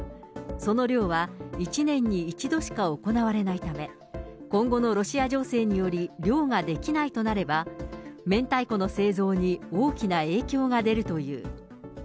その量は、１年に１度しか行われないため、今後のロシア情勢により、漁ができないとなれば、明太子の製造に大きな影響が出るという。